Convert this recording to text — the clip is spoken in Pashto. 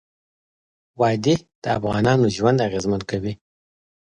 وادي د افغانانو ژوند اغېزمن کوي.